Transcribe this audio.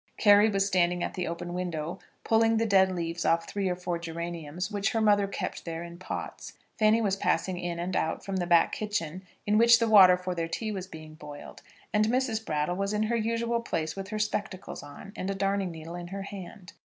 Carry was standing at the open window, pulling the dead leaves off three or four geraniums which her mother kept there in pots. Fanny was passing in and out from the back kitchen, in which the water for their tea was being boiled, and Mrs. Brattle was in her usual place with her spectacles on, and a darning needle in her hand.